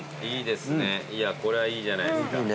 いやこれはいいじゃないですか。